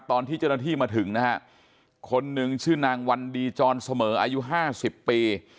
ตอนที่เจ้าหน้าที่มาถึงนะฮะคนหนึ่งชื่อนางวันดีจรเสมออายุห้าสิบปี